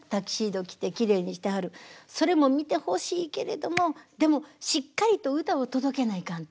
それも見てほしいけれどもでもしっかりと歌を届けないかんと。